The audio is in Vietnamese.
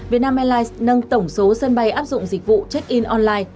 vietnam airlines nâng tổng số sân bay áp dụng dịch vụ check in online